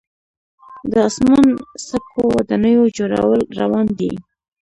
د اسمان څکو ودانیو جوړول روان دي.